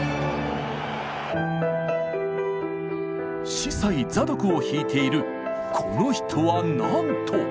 「司祭ザドク」を弾いているこの人はなんと！